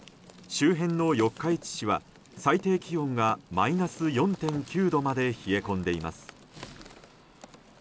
周辺の四日市市は最低気温がマイナス４．９度まで冷え込んでいます。